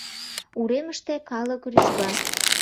Уремыште калык рӱжга.